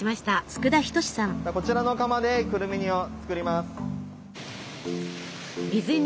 こちらの釜でくるみ煮を作ります。